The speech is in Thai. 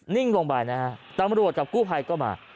นิ่งลงไปนะฮะตำรวจกับกู้ภัยก็มา